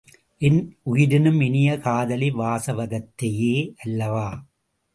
என் உயிரினும் இனிய காதலி வாசவதத்தையே அல்லவா?